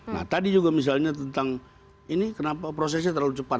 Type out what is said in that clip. nah tadi juga misalnya tentang ini kenapa prosesnya terlalu cepat